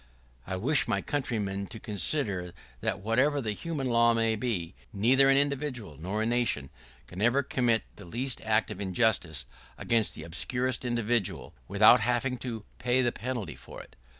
[¶16] I wish my countrymen to consider, that whatever the human law may be, neither an individual nor a nation can ever commit the least act of injustice against the obscurest individual without having to pay the penalty for it.